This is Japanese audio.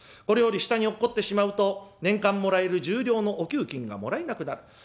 これより下に落っこってしまうと年間もらえる十両のお給金がもらえなくなる。